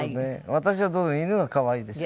私は犬が可愛いでしょ？